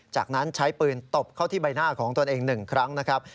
จากนั้นใช้ปืนตบเข้าที่ใบหน้าของตนเอง๑ครั้งนะครับ